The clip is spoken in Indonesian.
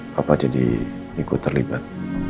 papa jadi ikut terlibat